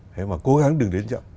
thế mà cố gắng đừng đến chậm